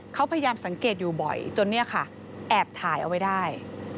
เขาพยายามสังเกตอยู่บ่อยจนเนี่ยค่ะแอบถ่ายเอาไว้ได้